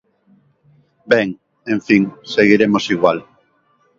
Ben, en fin, seguiremos igual.